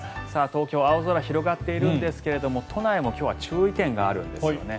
東京青空が広がっているんですが都内も今日は注意点があるんですよね。